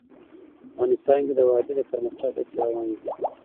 افغانستان کې د وادي د پرمختګ هڅې روانې دي.